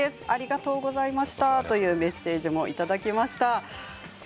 ありがとうございましたというメッセージも届いています。